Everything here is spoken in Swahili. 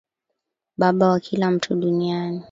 Baba wa kila mtu duniani.